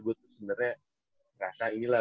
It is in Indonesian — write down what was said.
gua sebenernya ngerasa inilah